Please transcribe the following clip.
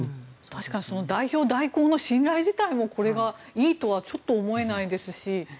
確かに代表代行の信頼自体もこれでいいとはちょっと思えないですし。